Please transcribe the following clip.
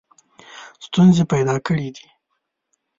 ستونزې پیدا کړي دي.